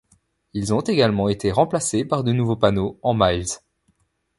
Ils ont également été remplacés par de nouveaux panneaux en miles.